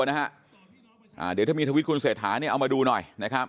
เดี๋ยวถ้ามีทวิตคุณเสธาเอามาดูหน่อย